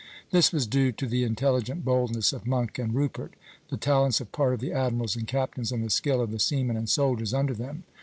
This was due to the intelligent boldness of Monk and Rupert, the talents of part of the admirals and captains, and the skill of the seamen and soldiers under them.